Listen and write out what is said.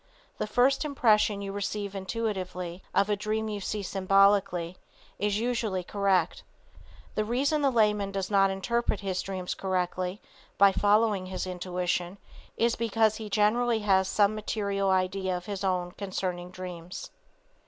The first impression you receive intuitively, of a dream you see symbolically, is usually correct. The reason the layman does not interpret his dreams correctly, by following his intuition, is because he generally has some material idea of his own concerning dreams.